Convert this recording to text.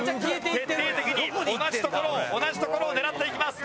徹底的に同じ所を同じ所を狙っていきます。